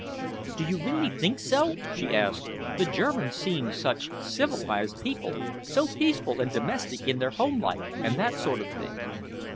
"Do you really think so?" she asked. "The Germans seem such civilised people, so peaceful and domestic in their home life, and that sort of thing."